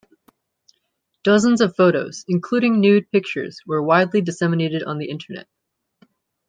Dozens of photos, including nude pictures, were widely disseminated on the Internet.